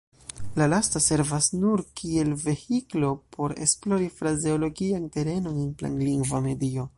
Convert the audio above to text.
La lasta servas nur kiel vehiklo por esplori frazeologian terenon en planlingva medio.